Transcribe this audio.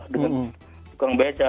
dengan tukang bca